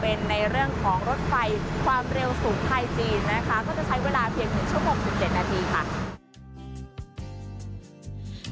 ก็จะใช้เวลาเพียง๑ชั่วโมง๑๗นาทีค่ะ